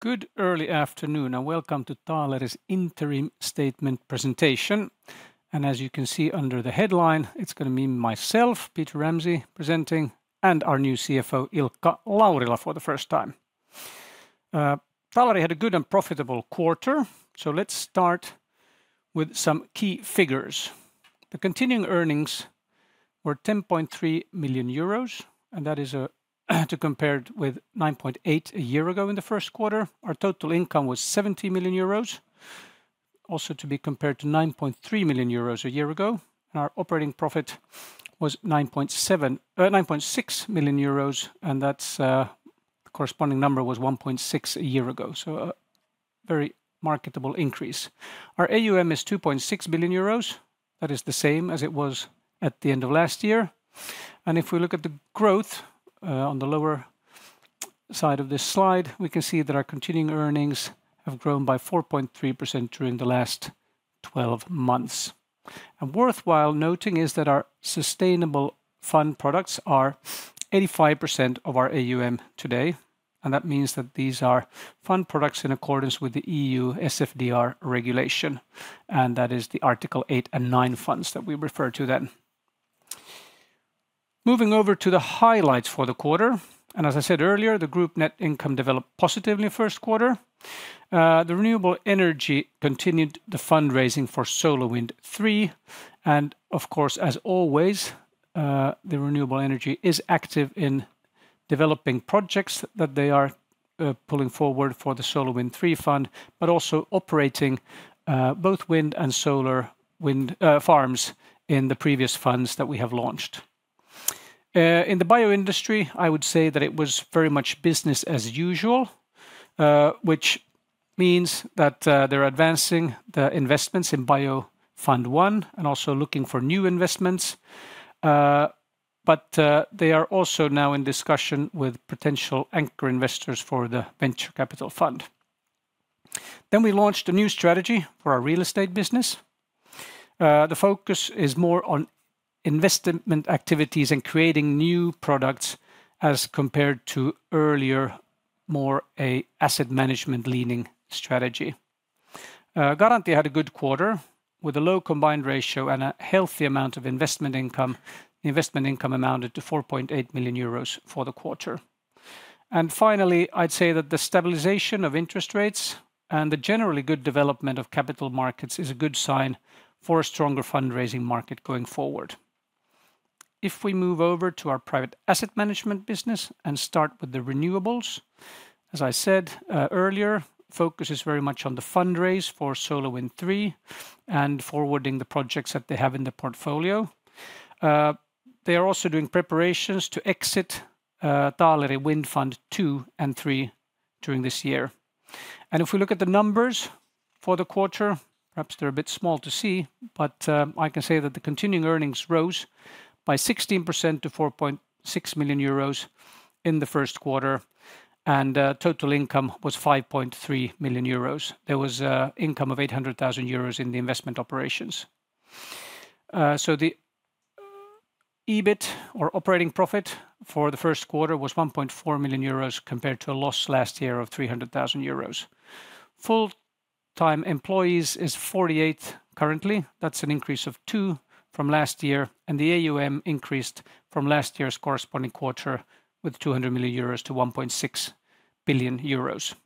Good early afternoon, and welcome to Taaleri's Interim Statement presentation. As you can see under the headline, it's gonna be myself, Peter Ramsay, presenting, and our new CFO, Ilkka Laurila, for the first time. Taaleri had a good and profitable quarter, so let's start with some key figures. The continuing earnings were 10.3 million euros, and that is, to compared with 9.8 a year ago in the first quarter. Our total income was 70 million euros, also to be compared to 9.3 million euros a year ago. And our operating profit was 9.7, 9.6 million euros, and that's... The corresponding number was 1.6 a year ago, so a very marketable increase. Our AUM is 2.6 billion euros. That is the same as it was at the end of last year. If we look at the growth on the lower side of this slide, we can see that our continuing earnings have grown by 4.3% during the last 12 months. Worth noting is that our sustainable fund products are 85% of our AUM today, and that means that these are fund products in accordance with the EU SFDR regulation, and that is the Article 8 and 9 funds that we refer to then. Moving over to the highlights for the quarter, and as I said earlier, the group net income developed positively in first quarter. The renewable energy continued the fundraising for SolarWind III, and of course, as always, the renewable energy is active in developing projects that they are pulling forward for the SolarWind III fund, but also operating both wind and solar wind farms in the previous funds that we have launched. In the bioindustry, I would say that it was very much business as usual, which means that they're advancing the investments in Bio Fund I, and also looking for new investments. But they are also now in discussion with potential anchor investors for the venture capital fund. Then we launched a new strategy for our real estate business. The focus is more on investment activities and creating new products as compared to earlier, more a asset management-leaning strategy. Garantia had a good quarter with a low combined ratio and a healthy amount of investment income. Investment income amounted to 4.8 million euros for the quarter. Finally, I'd say that the stabilization of interest rates and the generally good development of capital markets is a good sign for a stronger fundraising market going forward. If we move over to our private asset management business and start with the renewables, as I said, earlier, focus is very much on the fundraise for SolarWind III, and forwarding the projects that they have in the portfolio. They are also doing preparations to exit Taaleri Wind Fund II and III during this year. If we look at the numbers for the quarter, perhaps they're a bit small to see, but, I can say that the continuing earnings rose by 16% to 4.6 million euros in the first quarter, and, total income was 5.3 million euros. There was, income of 800,000 euros in the investment operations. So the EBIT or operating profit for the first quarter was 1.4 million euros, compared to a loss last year of 300,000 euros. Full-time employees is 48 currently. That's an increase of two from last year, and the AUM increased from last year's corresponding quarter with 200 million euros to 1.6 billion euros.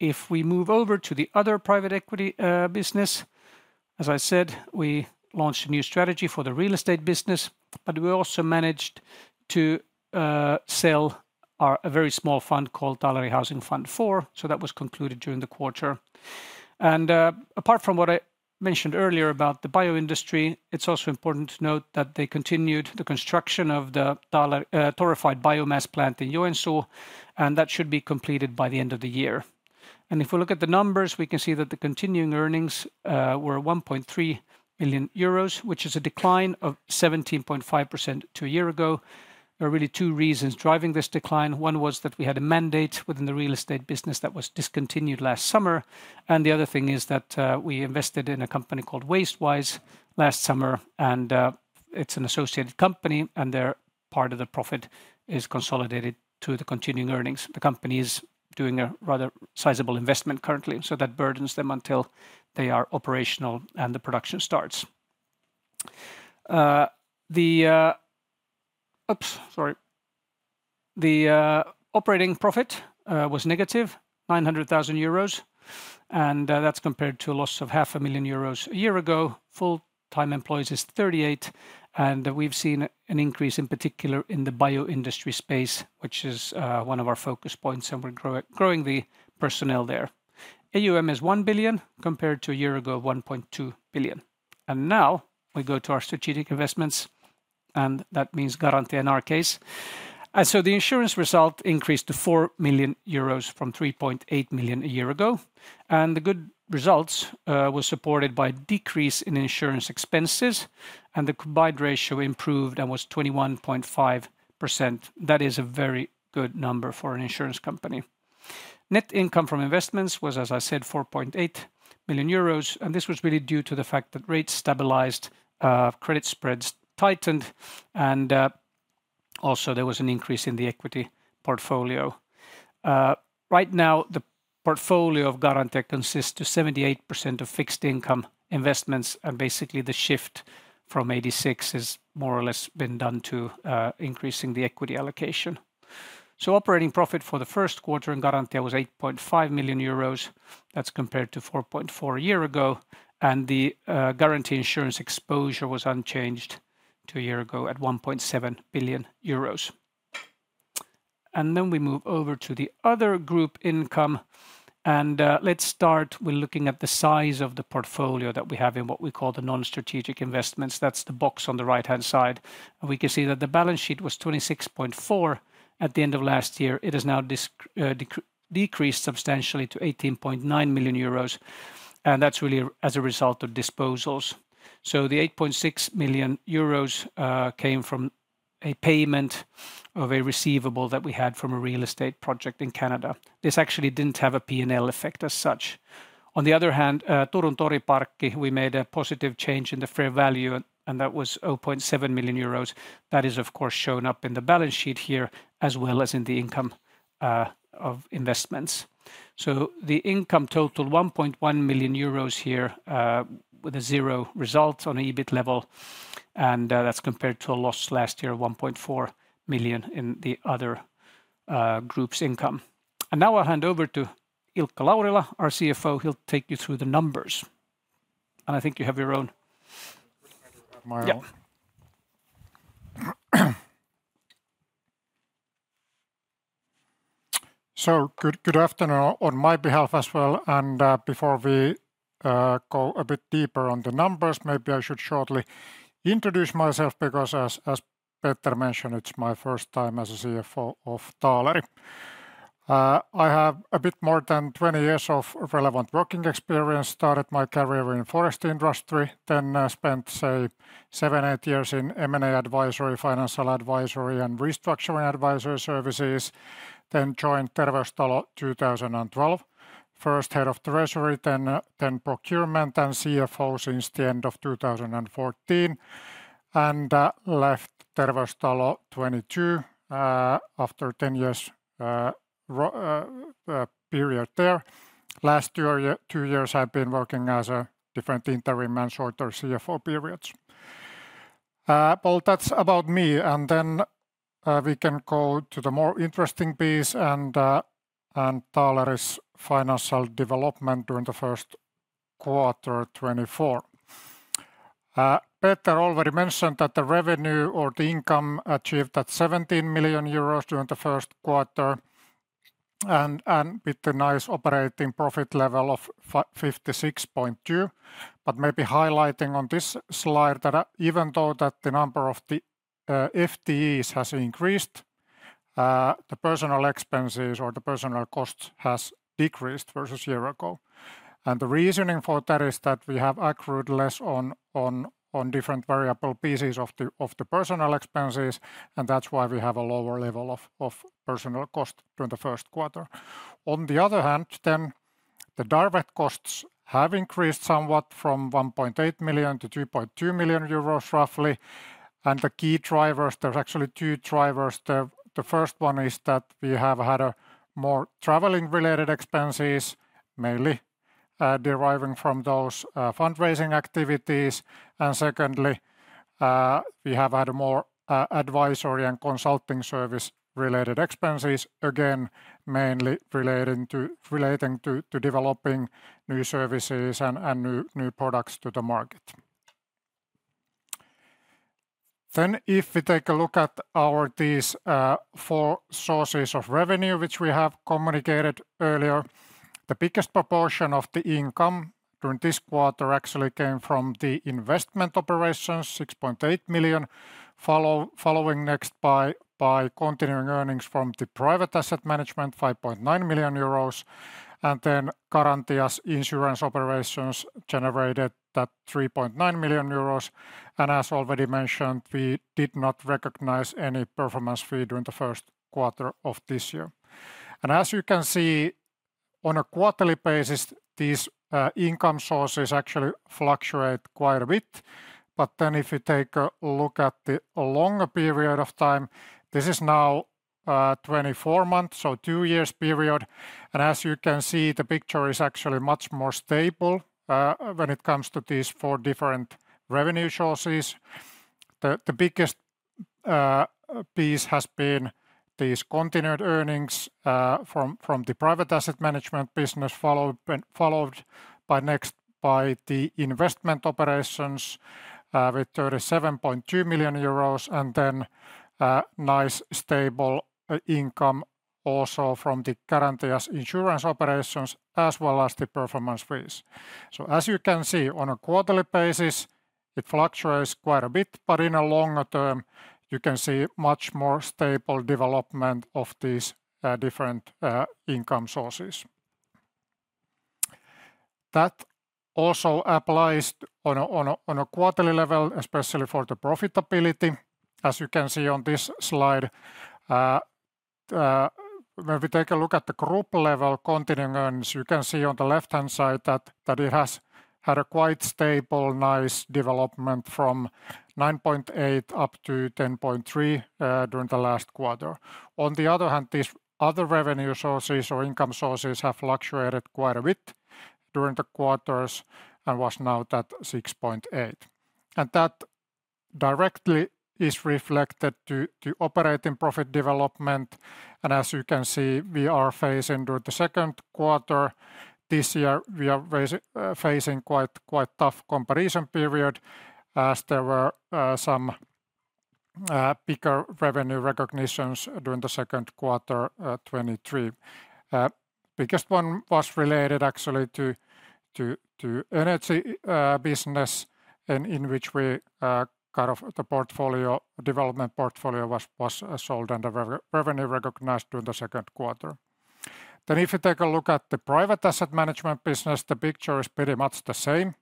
If we move over to the other private equity business, as I said, we launched a new strategy for the real estate business, but we also managed to sell our a very small fund called Taaleri Housing Fund IV, so that was concluded during the quarter. Apart from what I mentioned earlier about the bioindustry, it's also important to note that they continued the construction of the torrefied biomass plant in Joensuu, and that should be completed by the end of the year. If we look at the numbers, we can see that the continuing earnings were 1.3 million euros, which is a decline of 17.5% to a year ago. There are really two reasons driving this decline. One was that we had a mandate within the real estate business that was discontinued last summer, and the other thing is that we invested in a company called WasteWise last summer, and it's an associated company, and their part of the profit is consolidated to the continuing earnings. The company is doing a rather sizable investment currently, so that burdens them until they are operational and the production starts. The operating profit was negative 900,000 euros, and that's compared to a loss of 500,000 euros a year ago. Full-time employees is 38, and we've seen an increase, in particular, in the bio industry space, which is one of our focus points, and we're growing the personnel there. AUM is 1 billion, compared to a year ago, 1.2 billion. Now, we go to our strategic investments, and that means Garantia in our case. So the insurance result increased to 4 million euros from 3.8 million a year ago. The good results were supported by decrease in insurance expenses, and the combined ratio improved and was 21.5%. That is a very good number for an insurance company. Net income from investments was, as I said, 4.8 million euros, and this was really due to the fact that rates stabilized, credit spreads tightened, and also, there was an increase in the equity portfolio. Right now, the portfolio of Garantia consists of 78% fixed income investments, and basically the shift from 86 has more or less been done to increasing the equity allocation. So operating profit for the first quarter in Garantia was 8.5 million euros. That's compared to 4.4 million a year ago, and the guarantee insurance exposure was unchanged to a year ago at 1.7 billion euros. And then we move over to the other group income, and let's start with looking at the size of the portfolio that we have in what we call the non-strategic investments. That's the box on the right-hand side, and we can see that the balance sheet was 26.4 million at the end of last year. It has now decreased substantially to 18.9 million euros, and that's really as a result of disposals. So the 8.6 million euros came from a payment of a receivable that we had from a real estate project in Canada. This actually didn't have a P&L effect as such. On the other hand, Turun Toriparkki, we made a positive change in the fair value, and that was 0.7 million euros. That is, of course, shown up in the balance sheet here, as well as in the income of investments. So the income total 1.1 million euros here, with a 0 result on an EBIT level, and that's compared to a loss last year of 1.4 million in the other group's income. And now I'll hand over to Ilkka Laurila, our CFO. He'll take you through the numbers. And I think you have your own- I have my own. Yeah. So, good afternoon on my behalf as well, and before we go a bit deeper on the numbers, maybe I should shortly introduce myself, because as Peter mentioned, it's my first time as a CFO of Taaleri. I have a bit more than 20 years of relevant working experience. Started my career in forest industry, then spent, say, seven, eight years in M&A advisory, financial advisory, and restructuring advisory services. Then joined Terveystalo 2012. First Head of Treasury, then Procurement, and CFO since the end of 2014, and left Terveystalo 2022, after 10 years, period there. Last year, two years, I've been working as a different interim and shorter CFO periods. Well, that's about me, and then we can go to the more interesting piece, and Taaleri's financial development during the first quarter 2024. Peter already mentioned that the revenue or the income achieved 17 million euros during the first quarter, and with the nice operating profit level of 56.2, but maybe highlighting on this slide that even though the number of the FTEs has increased, the personnel expenses or the personnel cost has decreased versus year ago. And the reasoning for that is that we have accrued less on different variable pieces of the personnel expenses, and that's why we have a lower level of personnel cost during the first quarter. On the other hand, the direct costs have increased somewhat from 1.8 million to 2.2 million euros, roughly, and the key drivers, there's actually two drivers. The first one is that we have had more traveling-related expenses, mainly deriving from those fundraising activities. And secondly, we have had more advisory and consulting service-related expenses, again, mainly relating to developing new services and new products to the market. Then, if we take a look at these four sources of revenue, which we have communicated earlier, the biggest proportion of the income during this quarter actually came from the investment operations, 6.8 million, followed next by continuing earnings from the private asset management, 5.9 million euros, and then Garantia's insurance operations generated 3.9 million euros. As already mentioned, we did not recognize any performance fee during the first quarter of this year. As you can see, on a quarterly basis, these income sources actually fluctuate quite a bit. But then if you take a look at the longer period of time, this is now 24 months, so two years period, and as you can see, the picture is actually much more stable when it comes to these four different revenue sources. The biggest piece has been these continuing earnings from the private asset management business, followed by the investment operations with 37.2 million euros, and then nice stable income also from Garantia's insurance operations, as well as the performance fees. So as you can see, on a quarterly basis, it fluctuates quite a bit, but in a longer term, you can see much more stable development of these different income sources. That also applies on a quarterly level, especially for the profitability. As you can see on this slide, when we take a look at the group level Continuing Earnings, you can see on the left-hand side that it has had a quite stable, nice development from 9.8 up to 10.3 during the last quarter. On the other hand, these other revenue sources or income sources have fluctuated quite a bit during the quarters and was now at 6.8. And that directly is reflected to operating profit development, and as you can see, we are phasing through the second quarter. This year we are facing quite tough comparison period, as there were some bigger revenue recognitions during the second quarter 2023. Biggest one was related actually to energy business, and in which we kind of the development portfolio was sold and the revenue recognized during the second quarter. Then if you take a look at the private asset management business, the picture is pretty much the same.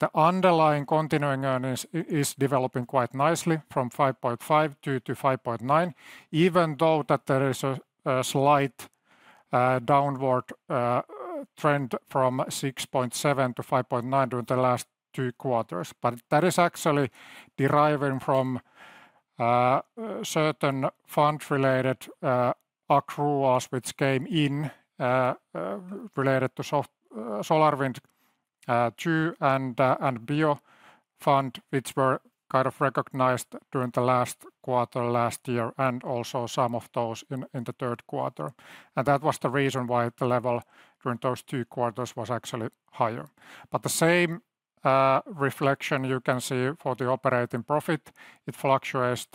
The underlying continuing earnings is developing quite nicely from 5.5-5.9, even though there is a slight downward trend from 6.7-5.9 during the last two quarters. But that is actually deriving from certain fund-related accruals which came in related to SolarWind II and bio fund, which were kind of recognized during the last quarter last year, and also some of those in the third quarter. That was the reason why the level during those two quarters was actually higher. But the same reflection you can see for the operating profit. It fluctuates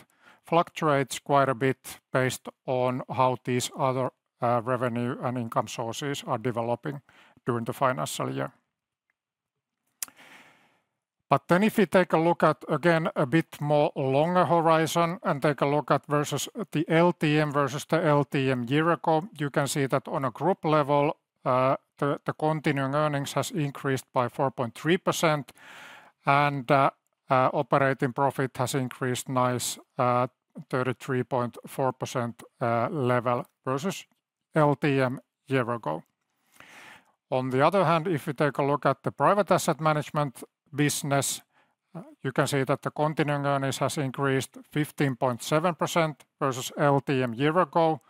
quite a bit based on how these other revenue and income sources are developing during the financial year. But then if you take a look at again a bit more longer horizon and take a look at versus the LTM versus the LTM year ago, you can see that on a group level the Continuing Earnings has increased by 4.3%, and operating profit has increased nice 33.4% level versus LTM year ago. On the other hand, if you take a look at the private asset management business, you can see that the Continuing Earnings has increased 15.7% versus LTM year ago.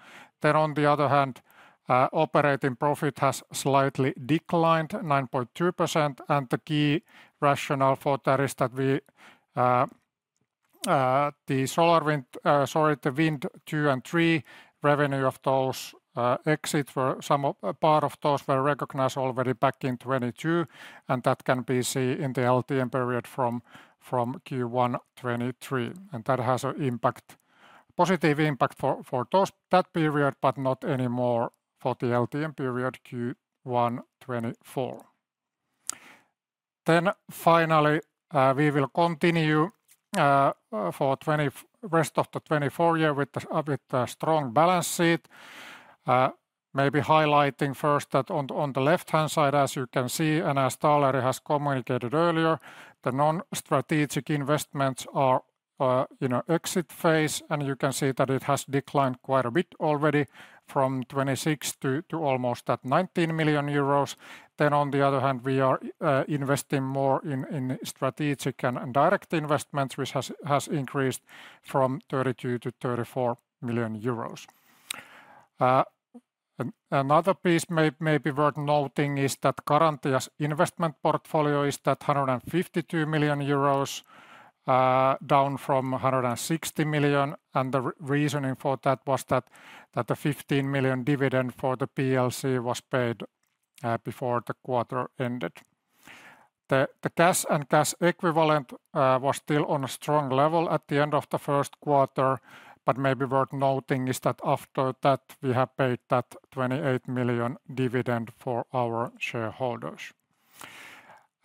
Then on the other hand, operating profit has slightly declined 9.2%, and the key rationale for that is that we the SolarWind... Sorry, the Wind two and three revenue of those exits were some of, a part of those were recognized already back in 2022, and that can be seen in the LTM period from Q1 2023. That has an impact, positive impact for those, that period, but not anymore for the LTM period Q1 2024. Then finally, we will continue for the rest of the 2024 year with a bit strong balance sheet. Maybe highlighting first that on the left-hand side, as you can see, and as Taaleri has communicated earlier, the non-strategic investments are in a exit phase, and you can see that it has declined quite a bit already from 26 to almost at 19 million euros. Then, on the other hand, we are investing more in strategic and direct investments, which has increased from 32 million-34 million euros. Another piece may be worth noting is that Garantia's investment portfolio is at 152 million euros, down from 160 million, and the reasoning for that was that the 15 million dividend for the PLC was paid before the quarter ended. The cash and cash equivalent was still on a strong level at the end of the first quarter, but maybe worth noting is that after that, we have paid that 28 million dividend for our shareholders.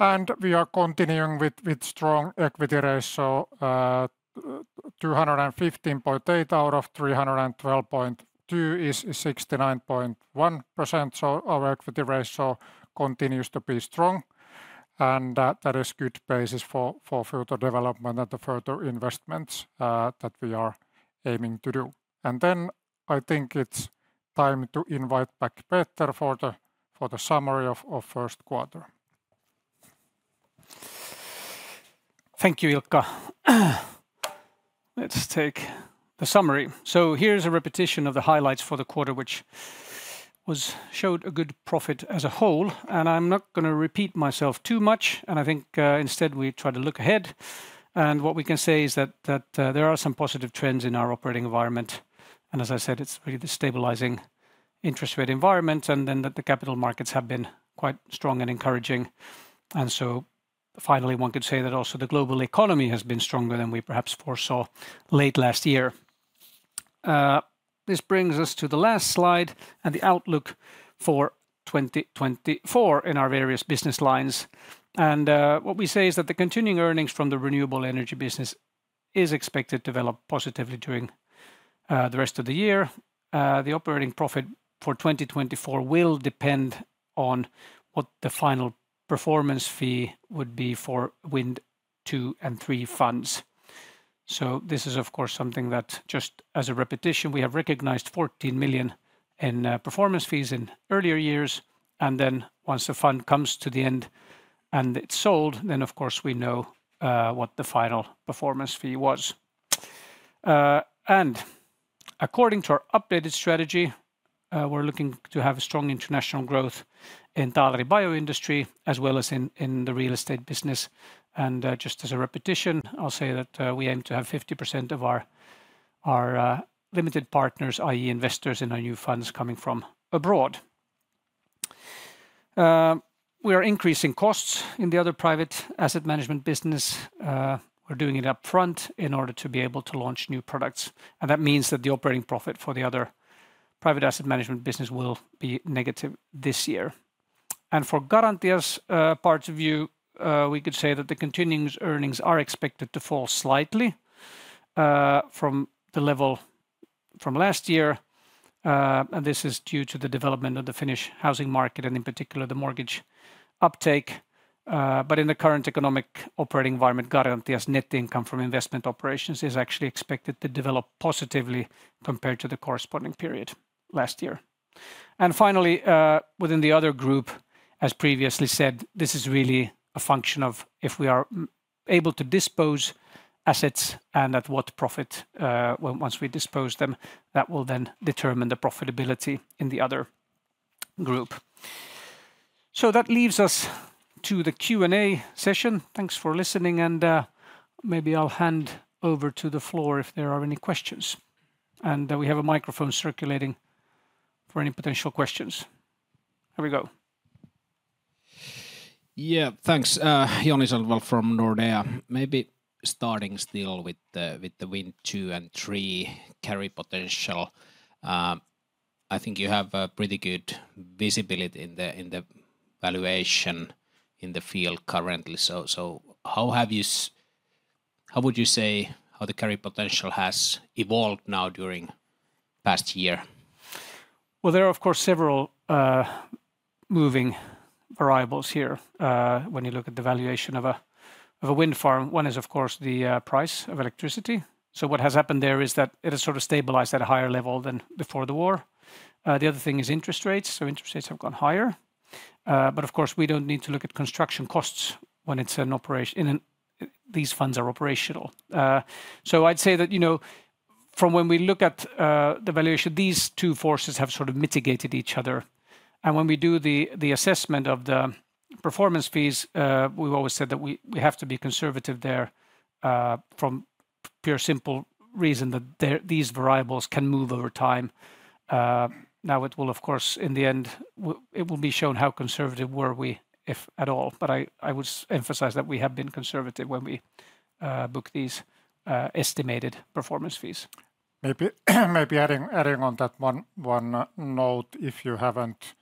And we are continuing with strong equity ratio, 215.8 out of 312.2 is 69.1%, so our equity ratio continues to be strong, and that is good basis for further development and the further investments that we are aiming to do. And then I think it's time to invite back Peter for the summary of first quarter. Thank you, Ilkka. Let's take the summary. So here's a repetition of the highlights for the quarter, which showed a good profit as a whole, and I'm not gonna repeat myself too much, and I think instead we try to look ahead. And what we can say is that there are some positive trends in our operating environment, and as I said, it's a stabilizing interest rate environment, and then that the capital markets have been quite strong and encouraging. And so finally, one could say that also the global economy has been stronger than we perhaps foresaw late last year. This brings us to the last slide and the outlook for 2024 in our various business lines. What we say is that the continuing earnings from the renewable energy business is expected to develop positively during the rest of the year. The operating profit for 2024 will depend on what the final performance fee would be for Wind II and III funds. So this is, of course, something that just as a repetition, we have recognized 14 million in performance fees in earlier years, and then once the fund comes to the end, and it's sold, then, of course, we know what the final performance fee was. And according to our updated strategy, we're looking to have a strong international growth in Taaleri Bioindustry, as well as in the real estate business. Just as a repetition, I'll say that we aim to have 50% of our limited partners, i.e., investors in our new funds, coming from abroad. We are increasing costs in the other private asset management business. We're doing it upfront in order to be able to launch new products, and that means that the operating profit for the other private asset management business will be negative this year. For Garantia's point of view, we could say that the continuing earnings are expected to fall slightly from the level from last year. And this is due to the development of the Finnish housing market and in particular, the mortgage uptake. But in the current economic operating environment, Garantia's net income from investment operations is actually expected to develop positively compared to the corresponding period last year. Finally, within the other group, as previously said, this is really a function of if we are able to dispose assets and at what profit, once we dispose them, that will then determine the profitability in the other group. So that leaves us to the Q&A session. Thanks for listening, and maybe I'll hand over to the floor if there are any questions. We have a microphone circulating for any potential questions. Here we go. Yeah, thanks. Joni Sandvall from Nordea. Maybe starting still with the Wind II and III carry potential, I think you have a pretty good visibility in the valuation in the field currently. So, how would you say how the carry potential has evolved now during past year? Well, there are, of course, several moving variables here when you look at the valuation of a wind farm. One is, of course, the price of electricity. So what has happened there is that it has sort of stabilized at a higher level than before the war. The other thing is interest rates, so interest rates have gone higher. But of course, we don't need to look at construction costs when it's an operation. These funds are operational. So I'd say that, you know, from when we look at the valuation, these two forces have sort of mitigated each other, and when we do the assessment of the performance fees, we've always said that we have to be conservative there from pure simple reason that these variables can move over time. Now, it will, of course, in the end, it will be shown how conservative were we, if at all, but I, I would emphasize that we have been conservative when we book these estimated performance fees. Maybe adding on that one note, if you haven't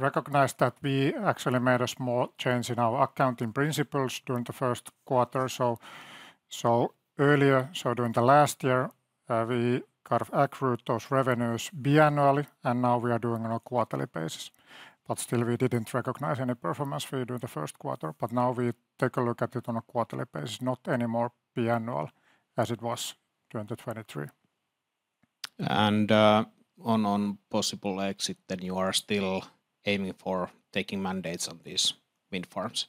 recognized that we actually made a small change in our accounting principles during the first quarter, so earlier, so during the last year, we kind of accrued those revenues biannually, and now we are doing on a quarterly basis. But still, we didn't recognize any performance fee during the first quarter, but now we take a look at it on a quarterly basis, not anymore biannual, as it was 2023. On possible exit, then you are still aiming for taking mandates on these wind farms?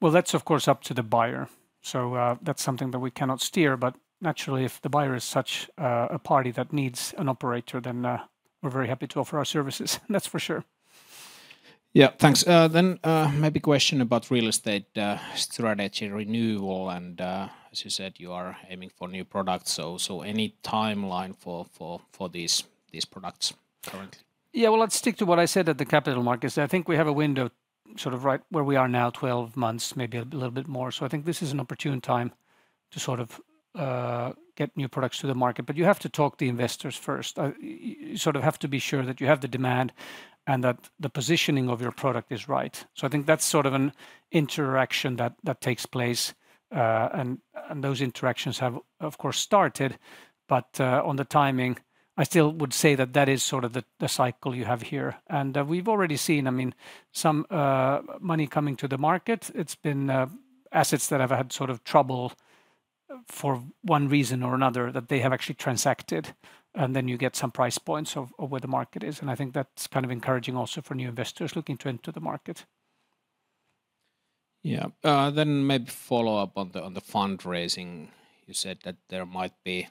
Well, that's of course up to the buyer, so that's something that we cannot steer, but naturally, if the buyer is such a party that needs an operator, then we're very happy to offer our services. That's for sure. Yeah, thanks. Then, maybe question about real estate strategy renewal, and, as you said, you are aiming for new products. So any timeline for these products currently? Yeah, well, let's stick to what I said at the capital markets. I think we have a window, sort of right where we are now, 12 months, maybe a little bit more. So I think this is an opportune time to sort of get new products to the market, but you have to talk to the investors first. You sort of have to be sure that you have the demand, and that the positioning of your product is right. So I think that's sort of an interaction that takes place, and those interactions have, of course, started, but on the timing, I still would say that that is sort of the cycle you have here. And we've already seen, I mean, some money coming to the market. It's been assets that have had sort of trouble for one reason or another that they have actually transacted, and then you get some price points of where the market is, and I think that's kind of encouraging also for new investors looking to enter the market. Yeah. Then maybe follow up on the fundraising. You said that there might be,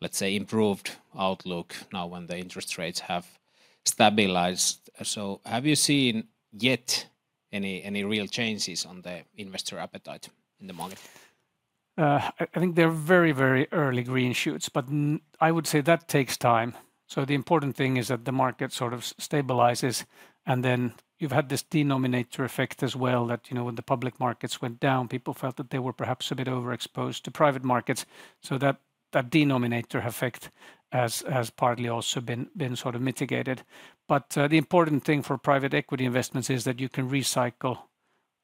let's say, improved outlook now when the interest rates have stabilized. So have you seen yet any real changes on the investor appetite in the market? I think they're very, very early green shoots, but I would say that takes time, so the important thing is that the market sort of stabilizes, and then you've had this denominator effect as well, that, you know, when the public markets went down, people felt that they were perhaps a bit overexposed to private markets. So that denominator effect has partly also been sort of mitigated. But the important thing for private equity investments is that you can recycle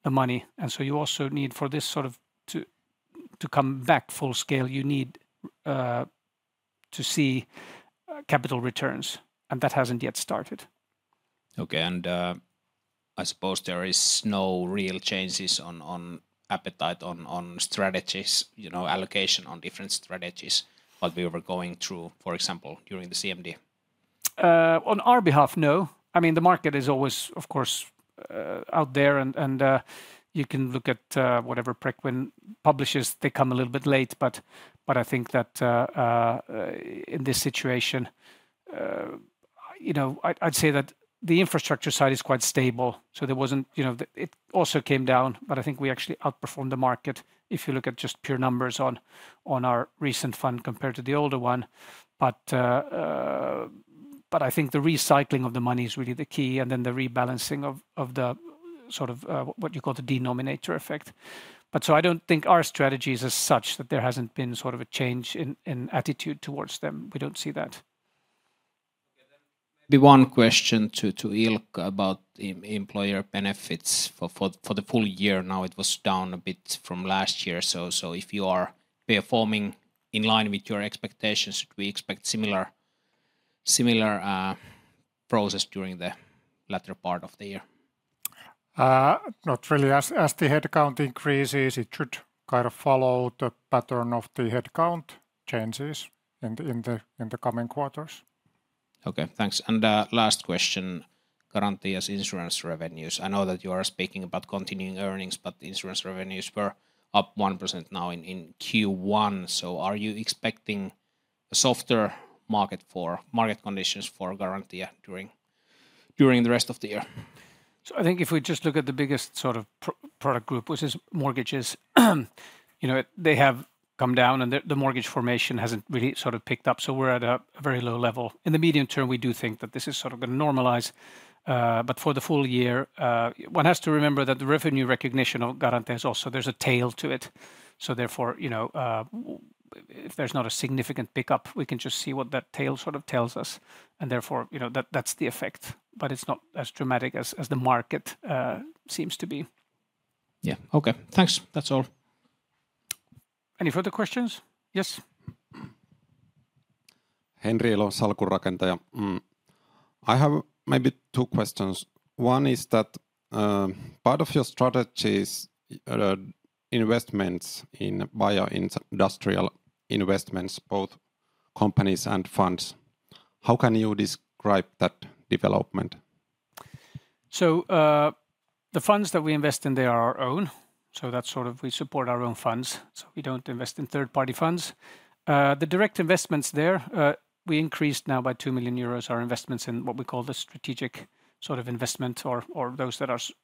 the money, and so you also need for this sort of to come back full scale, you need to see capital returns, and that hasn't yet started.... Okay, and I suppose there is no real changes on appetite, on strategies, you know, allocation on different strategies, what we were going through, for example, during the CMD? On our behalf, no. I mean, the market is always, of course, out there, and you can look at whatever Preqin publishes. They come a little bit late, but I think that, in this situation, you know, I'd say that the infrastructure side is quite stable, so there wasn't... You know, it also came down, but I think we actually outperformed the market if you look at just pure numbers on our recent fund compared to the older one. But I think the recycling of the money is really the key, and then the rebalancing of the sort of, what you call the denominator effect. But so I don't think our strategies are such that there hasn't been sort of a change in attitude towards them. We don't see that. Okay, then maybe one question to Ilkka about employer benefits for the full year. Now, it was down a bit from last year, so if you are performing in line with your expectations, should we expect similar process during the latter part of the year? Not really. As the headcount increases, it should kind of follow the pattern of the headcount changes in the coming quarters. Okay, thanks. And last question, Garantia's insurance revenues. I know that you are speaking about Continuing Earnings, but the insurance revenues were up 1% now in Q1, so are you expecting a softer market for... market conditions for Garantia during the rest of the year? So I think if we just look at the biggest sort of product group, which is mortgages, you know, they have come down, and the mortgage formation hasn't really sort of picked up, so we're at a very low level. In the medium term, we do think that this is sort of going to normalize, but for the full year, one has to remember that the revenue recognition of Garantia is also... There's a tail to it, so therefore, you know, if there's not a significant pickup, we can just see what that tail sort of tells us, and therefore, you know, that, that's the effect, but it's not as dramatic as the market seems to be. Yeah. Okay, thanks. That's all. Any further questions? Yes. Henri Elo, SalkunRakentaja. Mm. I have maybe two questions. One is that, part of your strategy is, investments in bioindustrial investments, both companies and funds. How can you describe that development? So, the funds that we invest in, they are our own, so that's sort of we support our own funds, so we don't invest in third-party funds. The direct investments there, we increased now by 2 million euros, our investments in what we call the strategic sort of investment or, or those that are are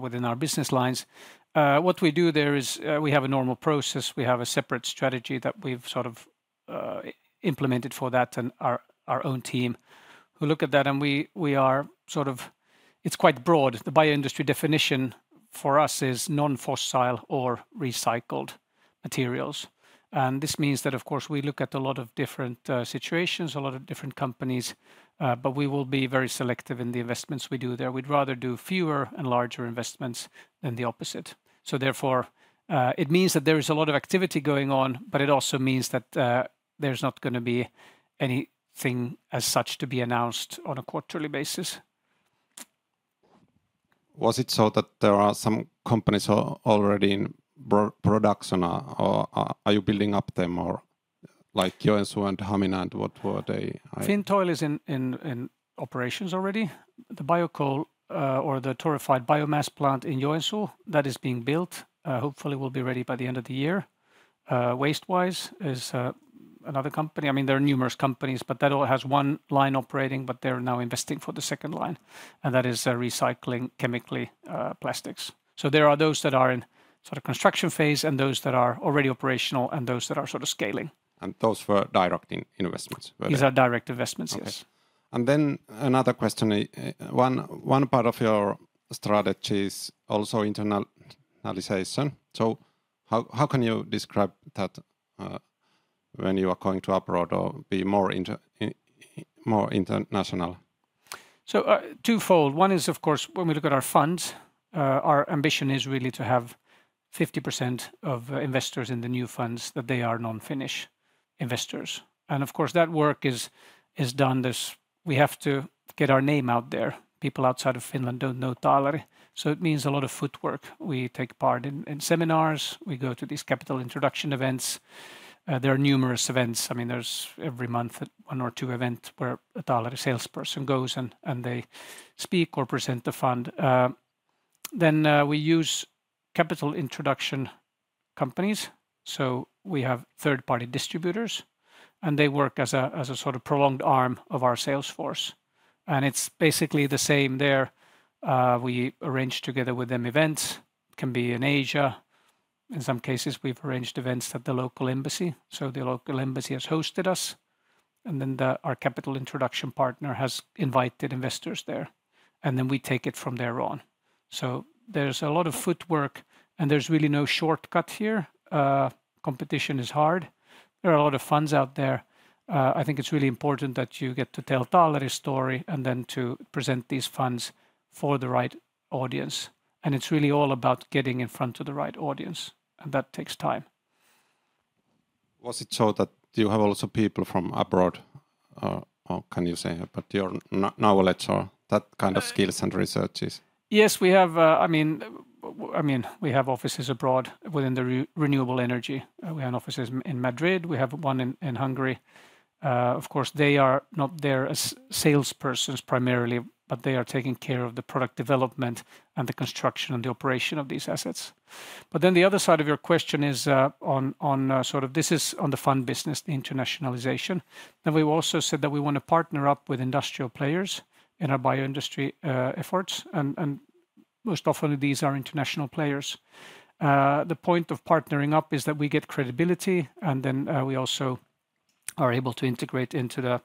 within our business lines. What we do there is, we have a normal process. We have a separate strategy that we've sort of, implemented for that, and our own team who look at that, and we are sort of... It's quite broad. The bioindustry definition for us is non-fossil or recycled materials, and this means that, of course, we look at a lot of different, situations, a lot of different companies, but we will be very selective in the investments we do there. We'd rather do fewer and larger investments than the opposite. So therefore, it means that there is a lot of activity going on, but it also means that, there's not gonna be anything as such to be announced on a quarterly basis. Was it so that there are some companies already in production, or are you building up them more, like Joensuu and Hamina, and what were they? Fintoil is in operations already. The bio coal, or the torrefied biomass plant in Joensuu, that is being built. Hopefully, will be ready by the end of the year. WasteWise is another company. I mean, there are numerous companies, but that all has one line operating, but they're now investing for the second line, and that is recycling chemically plastics. So there are those that are in sort of construction phase, and those that are already operational, and those that are sort of scaling. And those were direct investments, were they? These are direct investments, yes. Okay. And then another question, one part of your strategy is also internationalization, so how can you describe that, when you are going to abroad or be more international? So, twofold. One is, of course, when we look at our funds, our ambition is really to have 50% of investors in the new funds, that they are non-Finnish investors, and of course, that work is done. We have to get our name out there. People outside of Finland don't know Taaleri, so it means a lot of footwork. We take part in seminars. We go to these capital introduction events. There are numerous events. I mean, there's every month, one or two events where a Taaleri salesperson goes and they speak or present the fund. Then, we use capital introduction companies, so we have third-party distributors, and they work as a sort of prolonged arm of our sales force, and it's basically the same there. We arrange together with them events. It can be in Asia. In some cases, we've arranged events at the local embassy, so the local embassy has hosted us, and then our capital introduction partner has invited investors there, and then we take it from there on. So there's a lot of footwork, and there's really no shortcut here. Competition is hard. There are a lot of funds out there. I think it's really important that you get to tell Taaleri's story, and then to present these funds for the right audience, and it's really all about getting in front of the right audience, and that takes time.... Was it so that you have also people from abroad, or can you say, but your knowledge or that kind of skills and researches? Yes, we have, I mean, we have offices abroad within the renewable energy. We have offices in Madrid, we have one in Hungary. Of course, they are not there as salespersons primarily, but they are taking care of the product development and the construction and the operation of these assets. But then the other side of your question is on sort of this is on the fund business, the internationalization. Then we've also said that we want to partner up with industrial players in our bioindustry efforts, and most often these are international players. The point of partnering up is that we get credibility, and then we also are able to integrate into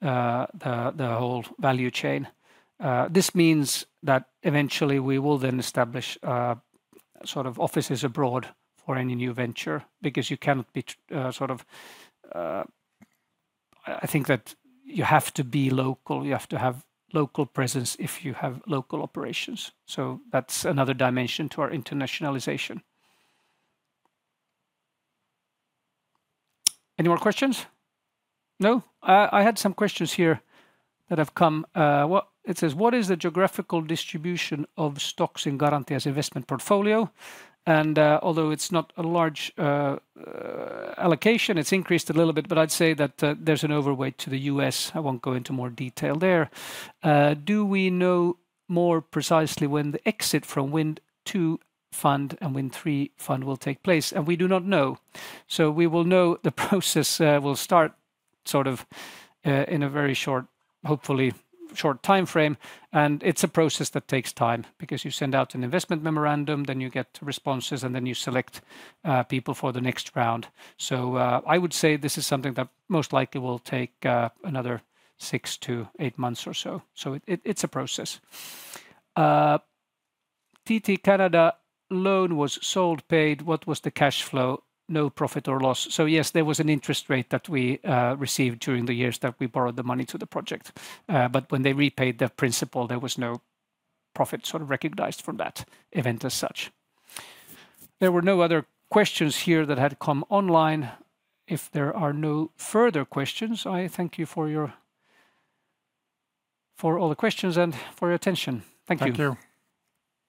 the whole value chain. This means that eventually we will then establish sort of offices abroad for any new venture, because you cannot be sort of... I think that you have to be local, you have to have local presence if you have local operations. So that's another dimension to our internationalization. Any more questions? No. I had some questions here that have come. What... It says, "What is the geographical distribution of stocks in Garantia's investment portfolio?" And, although it's not a large allocation, it's increased a little bit, but I'd say that, there's an overweight to the US. I won't go into more detail there. "Do we know more precisely when the exit from Wind II fund and Wind III fund will take place?" And we do not know. So we will know the process will start sort of in a very short, hopefully, short timeframe, and it's a process that takes time, because you send out an investment memorandum, then you get responses, and then you select people for the next round. So I would say this is something that most likely will take another 6-8 months or so. So it, it's a process. "TT Canada loan was sold, paid. What was the cash flow? No profit or loss." So yes, there was an interest rate that we received during the years that we borrowed the money to the project. But when they repaid the principal, there was no profit sort of recognized from that event as such. There were no other questions here that had come online. If there are no further questions, I thank you for all the questions and for your attention. Thank you. Thank you!